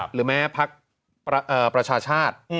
หรือแม้พักประชาชาติ